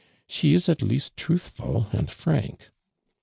She is at least truthful and frank."